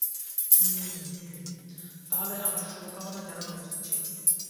হু, হুমম, তাহলে আমার শুভকামনা জানানো উচিত ছিল।